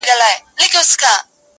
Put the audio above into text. وجود سره سم موجود دی